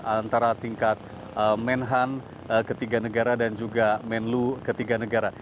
antara tingkat menhan ketiga negara dan juga menlu ketiga negara